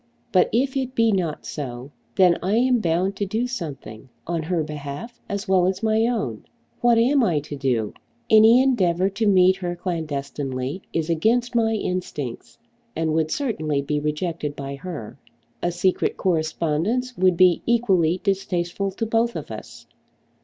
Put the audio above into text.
But if it be not so, then I am bound to do something, on her behalf as well as my own. What am I to do? Any endeavour to meet her clandestinely is against my instincts, and would certainly be rejected by her. A secret correspondence would be equally distasteful to both of us.